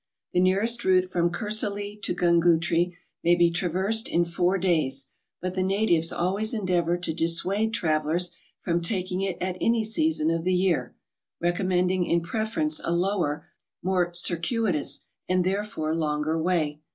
The nearest route from Kursalee to Grungootree may be traversed in four days, but the natives always en¬ deavour to dissuade travellers from taking it at any season of the year, recommending in preference a lower, more circuitous, and therefore longer way.